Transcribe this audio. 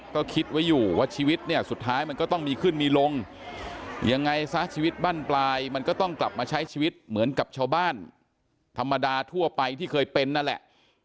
ก็คิดไว้อยู่ว่าชีวิตเนี่ยสุดท้ายมันก็ต้องมีขึ้นมีลงยังไงซะชีวิตบ้านปลายมันก็ต้องกลับมาใช้ชีวิตเหมือนกับชาวบ้านธรรมดาทั่วไปที่เคยเป็นนั่นแหละ